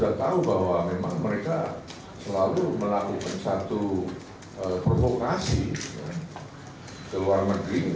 dan kita sudah tahu bahwa memang mereka selalu melakukan satu provokasi ke luar negeri